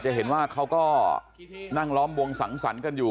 จะเห็นว่าเขาก็นั่งล้อมวงสังสรรค์กันอยู่